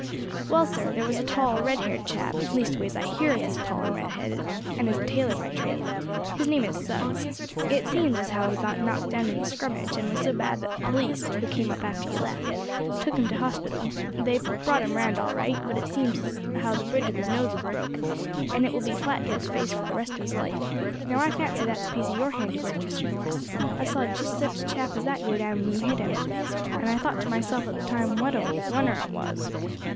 "Well, sir, there was a tall red haired chap leastways I hear as he's tall and red headed, and is a tailor by trade; his name is Suggs. It seems as how he got knocked down in the scrummage, and was so bad that the police, who came up after you left, took him to hospital; they brought him round all right, but it seems as how the bridge of his nose was broke, and it will be flat to his face for the rest of his life. Now I fancy that's a piece of your handiwork, Mr. Norris; I saw jist such a chap as that go down when you hit him, and I thought to myself at the time what a onener it was."